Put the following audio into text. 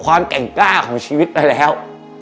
ความแข็งกล้าของชีวิตไปแล้ว